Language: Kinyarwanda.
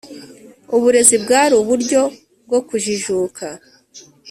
uburezi bwari uburyo bwokujijuka